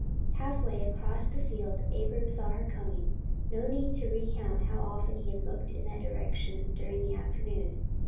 Half way across the field Abram saw her coming. No need to recount how often he had looked in that direction during the afternoon.